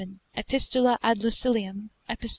epist. ad Lucilium, epist.